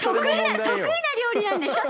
得意な料理なんでしょ？